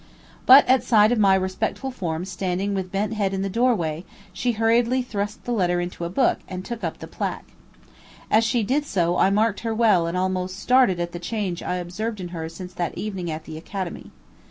But at sight of my respectful form standing with bent head in the doorway, she hurriedly thrust the letter into a book and took up the placque. As she did so I marked her well and almost started at the change I observed in her since that evening at the Academy.